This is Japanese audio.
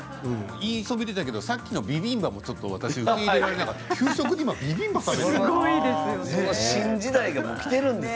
言いそびれたけどさっきのビビンバも私受け入れられなかった、給食に今新時代がきているんですね。